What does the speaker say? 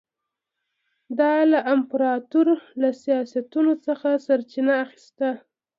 دا له امپراتور له سیاستونو څخه سرچینه اخیسته.